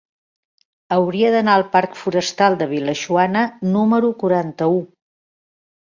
Hauria d'anar al parc Forestal de Vil·lajoana número quaranta-u.